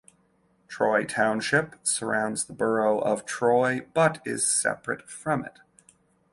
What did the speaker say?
Troy Township surrounds the borough of Troy but is separate from it.